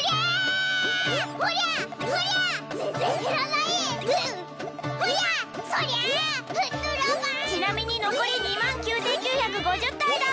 ばーちなみに残り２万９９５０体だ